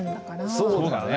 そうだね。